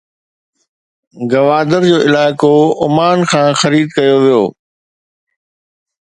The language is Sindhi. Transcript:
گوادر جو علائقو عمان کان خريد ڪيو ويو.